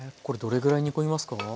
これどれぐらい煮込みますか？